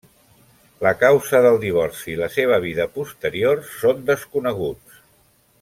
La causa del divorci i la seva vida posterior són desconeguts.